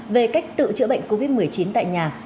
về cách tự chữa bệnh covid một mươi chín tại nhà